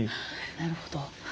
なるほど。